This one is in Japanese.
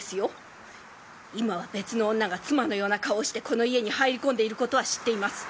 今は別の女が妻のような顔をしてこの家に入り込んでいることは知っています。